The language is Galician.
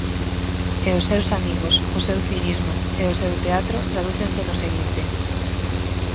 E os seus amigos, o seu cinismo e o seu teatro tradúcense no seguinte.